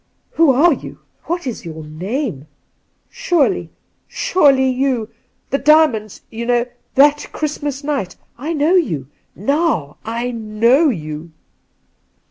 Who are you? What is your name? Surely — surely you — the diamonds, you know, that Christmas night ! I know you ! Now I know you